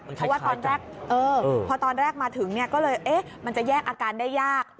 เพราะว่าตอนแรกพอตอนแรกมาถึงก็เลยมันจะแยกอาการได้ยาก